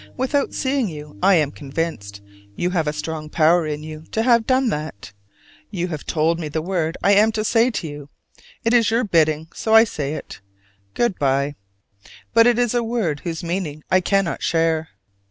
Without seeing you I am convinced: you have a strong power in you to have done that! You have told me the word I am to say to you: it is your bidding, so I say it Good by. But it is a word whose meaning I cannot share.